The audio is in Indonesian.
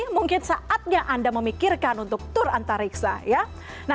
mungkin saatnya anda memikirkan untuk tur antariksa